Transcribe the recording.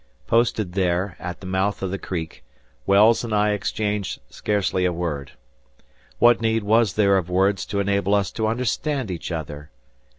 Posted there, at the mouth of the Creek, Wells and I exchanged scarcely a word. What need was there of words to enable us to understand each other!